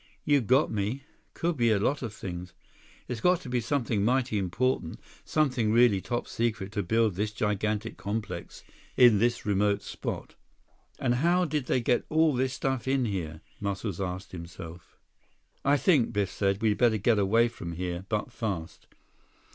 "You got me. Could be a lot of things. It's got to be something mighty important, something really top secret to build this gigantic complex in this remote spot. And how did they get all this stuff in here?" Muscles asked himself. 134 "I think," Biff said, "we'd better get away from here—but fast."